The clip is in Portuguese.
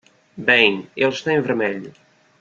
Bem, ele está em vermelho.